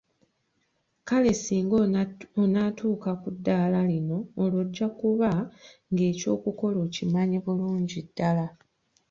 Kale singa onaatuuka ku ddaala lino olwo ojja kuba ng'ekyokukola okimanyi bulungi ddala.